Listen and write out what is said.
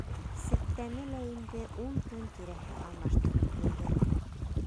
Септәне лә инде ун көн тирәһе алмаштырып йәйгәне юҡ.